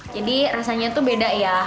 jadi rasanya itu beda ya